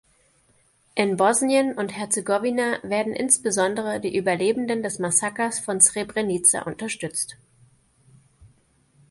In Bosnien und Herzegowina werden insbesondere die Überlebenden des Massakers von Srebrenica unterstützt.